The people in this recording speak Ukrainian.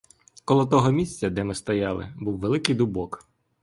Коло того місця, де ми стояли, був великий дубок.